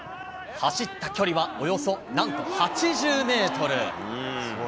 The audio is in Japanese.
走った距離は、およそ、なんと８０メートル。